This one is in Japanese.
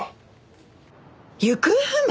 行方不明！？